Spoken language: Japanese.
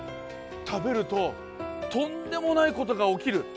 たべるととんでもないことがおきる